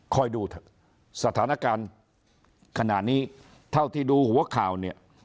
ดูเถอะสถานการณ์ขณะนี้เท่าที่ดูหัวข่าวเนี่ย